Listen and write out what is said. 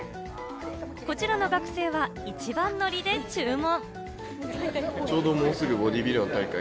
こちらの学生は一番乗りで注文。